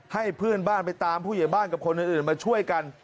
ให้เพื่อนบ้านไปตามผู้ใหญ่บ้านกับคนอื่นมาช่วยกัน